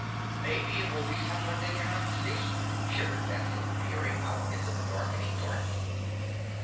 "Maybe it will be someone they cannot see," shivered Betsy, peering out into the darkening garden.